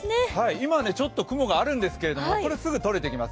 今、ちょっと雲があるんですけれども、これはすぐ取れてきます。